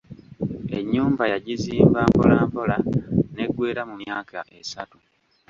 Ennyumba yagizimba mpolampola n’eggweera mu myaka esatu.